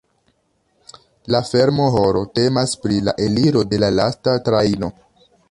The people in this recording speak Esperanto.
La fermo-horo temas pri la eliro de la lasta trajno.